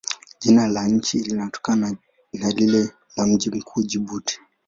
Jina la nchi linatokana na lile la mji mkuu, Jibuti.